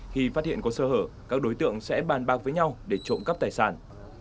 khi phát hiện có sơ hở các đối tượng sẽ bàn bạc với nhau để trộm cắp tài sản